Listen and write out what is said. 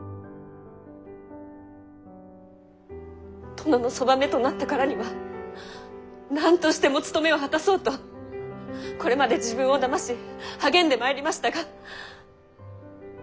殿のそばめとなったからには何としても務めを果たそうとこれまで自分をだまし励んでまいりましたが。